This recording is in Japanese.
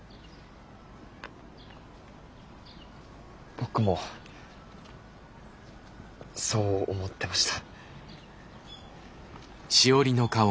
僕もそう思ってました。